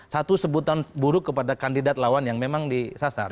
satu sebutan buruk kepada kandidat lawan yang memang disasar